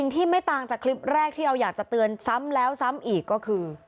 ที่ไม่ต่างจากคลิปแรกที่เราอยากจะเตือนซ้ำแล้วซ้ำอีกก็คือ